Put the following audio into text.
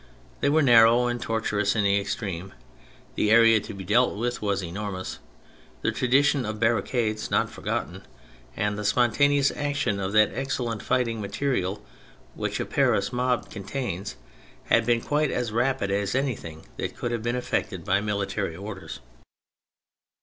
They were narrow and tortuous in the extreme, the area to be dealt with was enormous, the tradition of barricades not forgotten, and the spontaneous action of that excellent fighting material which a Paris mob contains, had been quite as rapid as anything that could have been effected by military orders.